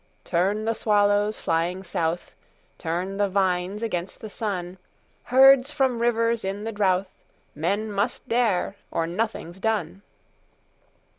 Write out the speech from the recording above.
Turn the swallows flying south, Turn the vines against the sun, Herds from rivers in the drouth, Men must dare or nothing 's done.